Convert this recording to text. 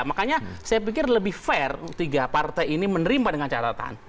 makanya saya pikir lebih fair tiga partai ini menerima dengan catatan